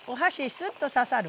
スッと刺さる。